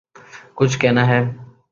کچھ کہنا ہے